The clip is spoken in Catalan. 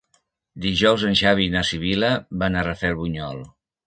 Dijous en Xavi i na Sibil·la van a Rafelbunyol.